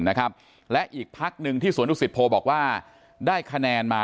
นะครับและอีกพักหนึ่งที่สวนดุสิตโพบอกว่าได้คะแนนมา